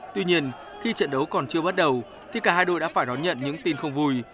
tuy nhiên khi trận đấu còn chưa bắt đầu thì cả hai đội đã phải đón nhận những tin không vui